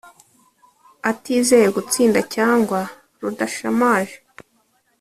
atizeye gutsinda cyangwa rudashamaje